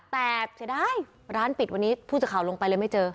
แต่เสียดายร้านปิดวันนี้ผู้สื่อข่าวลงไปเลยไม่เจอ